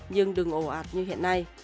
nhưng đừng ổ ạt như hiện nay